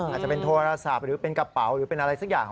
อาจจะมีแกปะเป็วหรืออะไรสักอย่าง